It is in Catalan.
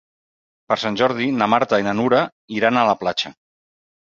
Per Sant Jordi na Marta i na Nura iran a la platja.